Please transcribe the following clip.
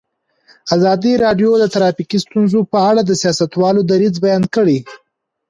ازادي راډیو د ټرافیکي ستونزې په اړه د سیاستوالو دریځ بیان کړی.